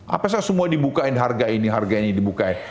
apa semua dibuka harga ini harga ini dibuka ini